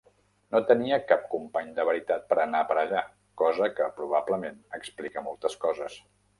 No tenia cap company de veritat per anar per allà, cosa que probablement explica moltes coses.